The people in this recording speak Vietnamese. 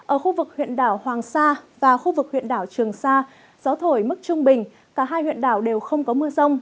ở khu vực huyện đảo hoàng sa và khu vực huyện đảo trường sa gió thổi mức trung bình cả hai huyện đảo đều không có mưa rông